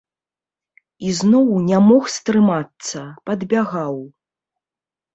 Ізноў не мог стрымацца, падбягаў.